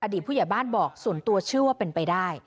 ผู้ใหญ่บ้านบอกส่วนตัวเชื่อว่าเป็นไปได้